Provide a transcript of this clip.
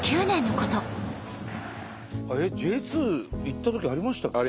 Ｊ２行ったときありましたっけ？